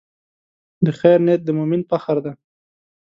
د خیر نیت د مؤمن فخر دی.